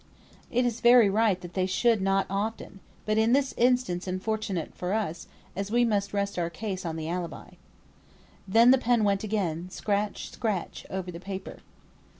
It is very right that they should not often; but in this instance unfortunate for us, as we must rest our case on the alibi." The pen went again, scratch, scratch over the paper.